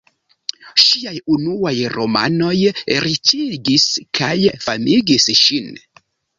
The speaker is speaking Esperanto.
Ŝiaj unuaj romanoj riĉigis kaj famigis ŝin.